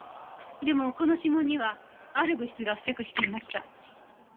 でもこの指紋にはある物質が付着していました。